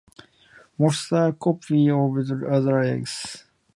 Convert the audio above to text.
Most are copies of other eggs.